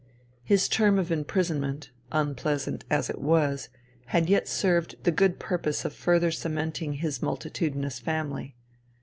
His term of im prisonment, unpleasant as it was, had yet served the good purpose of further cementing his multi tudinous family.